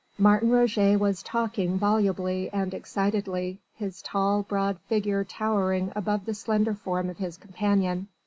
Martin Roget was talking volubly and excitedly, his tall, broad figure towering above the slender form of his companion.